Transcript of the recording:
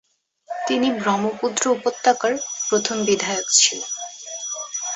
তিনি ব্রহ্মপুত্র উপত্যকার প্রথম বিধায়ক ছিলেন।